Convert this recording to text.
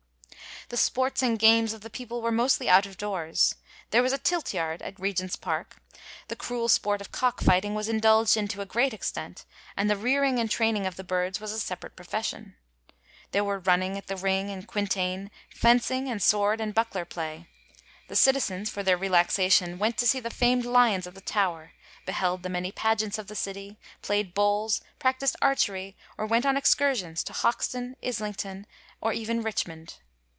The sports and games of the people were mostly out of doors. There was a tilt yard at Regent's Park. The cruel sport of cock fighting was indulged in to a g^at extent, and the rearing and training of the bii ds was a separate profession. There were running at the ring and quintain, fencing, and sword and buckler play. The citizens, for their relaxation, went to see the famed lions at the Tower, beheld the many pageants of the City, played bowls, practist archery, or went on excur sions to Hoxton, Islington, or even Richmond.